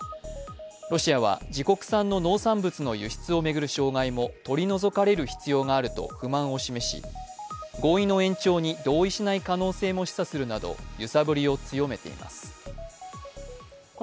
ロシアは自国産の農産物の輸出を巡る障害も取り除かれる必要があると不満を示し、合意の延長に同意しない可能性も示唆するなど揺さぶりを強めています。